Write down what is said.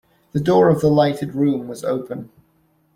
The door of the lighted room was open.